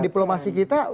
dengan diplomasi kita